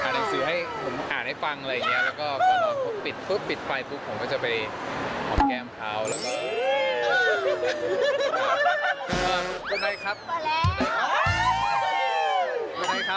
อ่านหนังสือให้ผมอ่านให้ฟังอะไรอย่างนี้